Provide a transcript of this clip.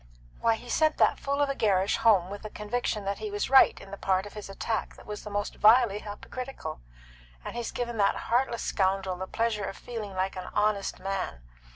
Why, he's sent that fool of a Gerrish home with the conviction that he was right in the part of his attack that was the most vilely hypocritical, and he's given that heartless scoundrel the pleasure of feeling like an honest man.